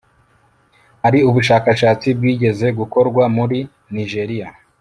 hari ubushakashatsi bwigeze gukorwa muri nijeriya